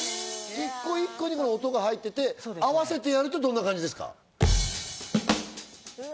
１個１個に音が入ってて合わせてやると、どんな感じですか？